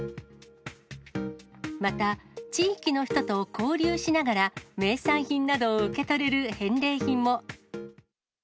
また、地域の人と交流しながら、名産品などを受け取れる返礼品も。